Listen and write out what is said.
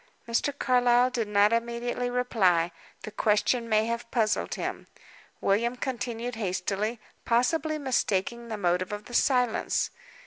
Mr. Carlyle did not immediately reply. The question may have puzzled him. William continued hastily; possibly mistaking the motive of the silence.